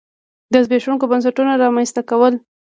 د زبېښونکو بنسټونو رامنځته کول.